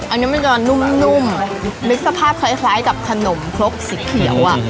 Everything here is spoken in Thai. อันนี้มันจะนุ่มนึกสภาพคล้ายกับขนมครกสีเขียวอ่ะ